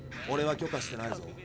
オレは許可してないぞ。